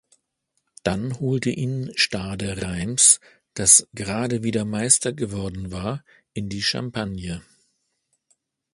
Dann holte ihn Stade Reims, das gerade wieder Meister geworden war, in die Champagne.